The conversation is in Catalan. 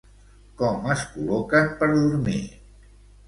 Com es col·loquen per dormir?